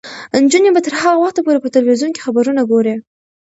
نجونې به تر هغه وخته پورې په تلویزیون کې خبرونه ګوري.